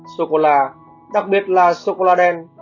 sô cô la đặc biệt là sô cô la đen